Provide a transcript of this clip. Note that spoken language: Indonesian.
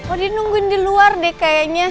oh di nungguin di luar deh kayaknya